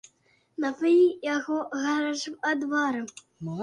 Напаі яго гарачым адварам.